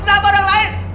kenapa orang lain